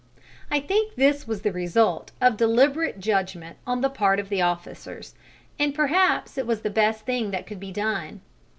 I think this was the result of deliberate judgment on the part of the officers, and perhaps, it was the best thing that could be done.